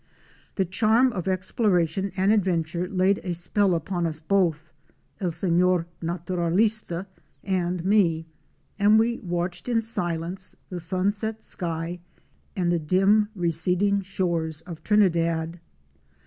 The charm of exploration and adventure laid a spell upon us both — El Sefior Natu ralista and me—and we watched in silence the sunset sky and the dim receding shores of Trinidad.